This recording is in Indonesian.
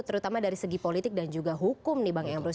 terutama dari segi politik dan juga hukum nih bang emrus